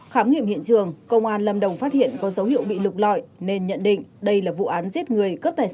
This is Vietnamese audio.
khám nghiệm hiện trường công an lâm đồng phát hiện có dấu hiệu bị lục lọi nên nhận định đây là vụ án giết người cướp tài sản